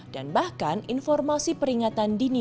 dan bahkan informasi peringatan dini